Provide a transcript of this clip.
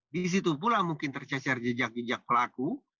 disitu pula mungkin tercecer jejak jejak pelaku